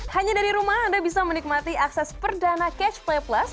hanya dari rumah anda bisa menikmati akses perdana catch play plus